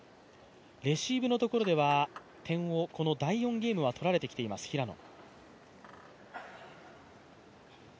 レシーブのところでは点を第４ゲームは取られてきています、平野。